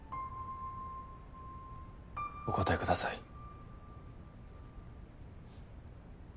お答えください。